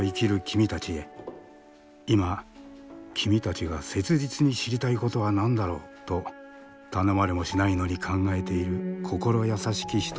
「今君たちが切実に知りたいことは何だろう？」と頼まれもしないのに考えている心優しき人たちがいる。